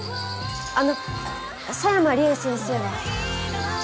あの佐山りえ先生は？